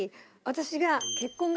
私が。